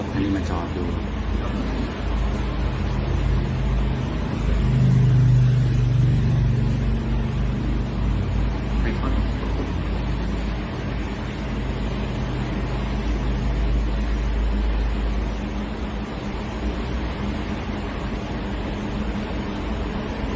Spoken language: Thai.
คันยืนมาจอดดู